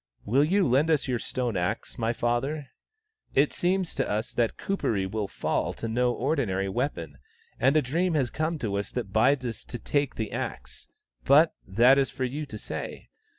" Will you lend us your stone axe, my father ? It seems to us that Kuperee will fall to no ordinary weapon, and a dream has come to us that bids us take the axe. But that is for you to say.